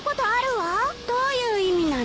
どういう意味なの？